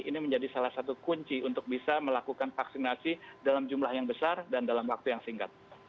ini menjadi salah satu kunci untuk bisa melakukan vaksinasi dalam jumlah yang besar dan dalam waktu yang singkat